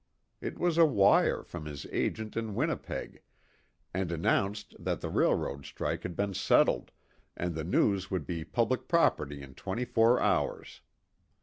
It was a wire from his agent in Winnipeg, and announced that the railroad strike had been settled, and the news would be public property in twenty four hours.